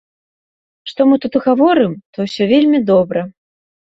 Што мы тут гаворым, то ўсё вельмі добра.